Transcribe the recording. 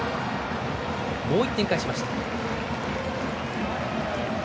もう１点返しました。